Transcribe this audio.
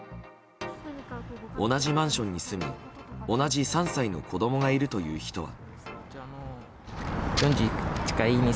同じマンションに住む同じ３歳の子供がいるという人は。